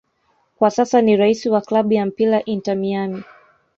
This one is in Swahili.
Kwa sasa ni raisi wa klabu ya mpira Inter Miami